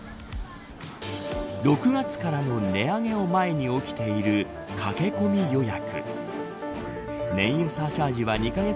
６月からの値上げを前に起きている駆け込み予約。